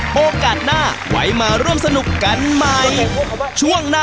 ถ่ายได้ชัดถ่ายได้ชัดหน่อย